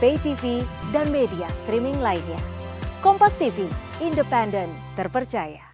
yang berkaku kaku ada rekam wawang kk dan juga